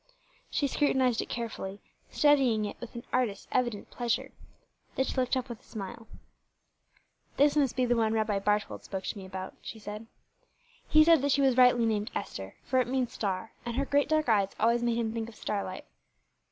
She scrutinized it carefully, studying it with an artist's evident pleasure. Then she looked up with a smile. "This must be the one Rabbi Barthold spoke to me about," she said. "He said that she was rightly named Esther, for it means star, and her great, dark eyes always made him think of starlight."